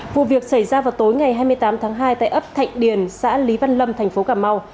vụ việc xảy ra vào tối ngày hai mươi tám tháng hai tại ấp thạnh điền xã lý văn lâm thành phố cà mau